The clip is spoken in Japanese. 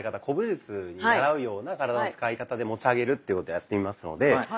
古武術にならうような体の使い方で持ち上げるっていうことをやってみますので。